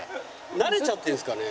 慣れちゃってるんですかね？